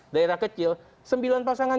daerah kecil sembilan pasangan